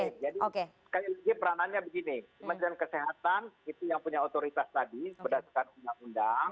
jadi sekali lagi peranannya begini kementerian kesehatan itu yang punya otoritas tadi berdasarkan undang undang